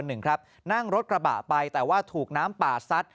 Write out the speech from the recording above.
นั่งรถกระบะไปแต่ว่าถูกน้ำป่าซัด